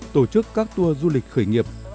tổ chức các tour du lịch khởi nghiệp